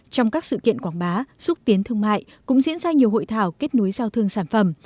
trong các sự kiện quảng bá xúc tiến thương mại cũng diễn ra nhiều hội thảo kết nối giao thương sản phẩm